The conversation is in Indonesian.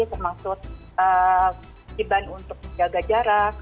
termasuk kegiban untuk menjaga jarak